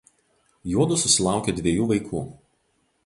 Juodu susilaukė dviejų vaikų.